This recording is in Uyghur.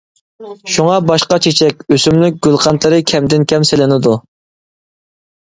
شۇڭا باشقا چېچەك، ئۆسۈملۈك گۈلقەنتلىرى كەمدىن-كەم سىلىنىدۇ.